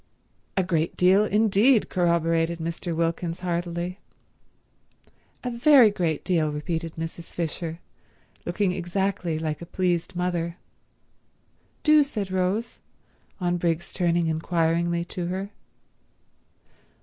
"A great deal indeed," corroborated Mr. Wilkins heartily. "A very great deal," repeated Mrs. Fisher, looking exactly like a pleased mother. "Do," said Rose, on Briggs's turning inquiringly to her.